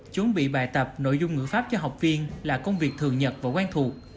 chuẩn bị bài tập nội dung ngữ pháp cho học viên là công việc thường nhật và quen thuộc